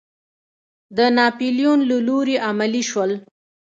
د ناپیلیون له لوري عملي شول.